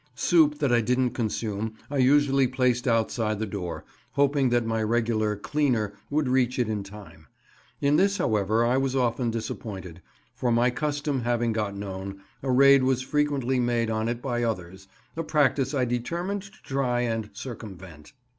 Soup that I didn't consume I usually placed outside the door, hoping that my regular "cleaner" would reach it in time. In this, however, I was often disappointed, for my custom having got known, a raid was frequently made on it by others—a practice I determined to try and circumvent.